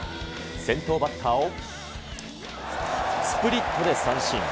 先頭バッターをスプリットで三振。